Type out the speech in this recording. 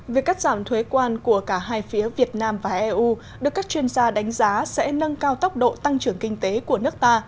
việc cắt giảm thuế quan của cả hai phía việt nam và eu được các chuyên gia đánh giá sẽ nâng cao tốc độ tăng trưởng kinh tế của nước ta